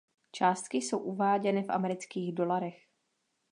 Částky jsou uváděny v amerických dolarech.